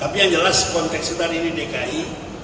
tapi yang jelas konteks kita ini di dki